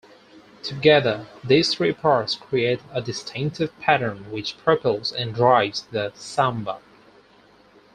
Together these three parts create a distinctive pattern which propels and drives the samba.